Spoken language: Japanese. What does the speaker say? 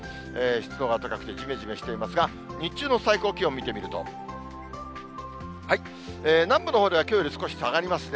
湿度が高くてじめじめしていますが、日中の最高気温見てみると、南部のほうではきょうより少し下がりますね。